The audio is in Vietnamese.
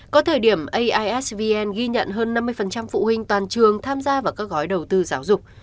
có thời điểm aisvn ghi nhận hơn năm mươi phụ huynh toàn trường tham gia vào các gói đầu tư giáo dục